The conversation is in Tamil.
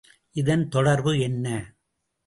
இதன் தொடர்பு என்ன?